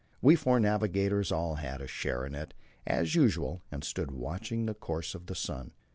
We four navigators all had a share in it, as usual, and stood watching the course of the sun.